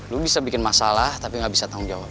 lu bisa bikin masalah tapi gak bisa tanggung jawab